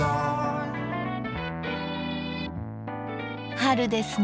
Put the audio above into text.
春ですね。